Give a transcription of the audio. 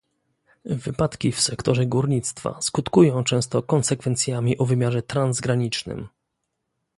Wypadki w sektorze górnictwa skutkują często konsekwencjami o wymiarze transgranicznym